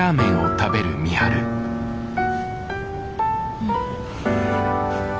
うん。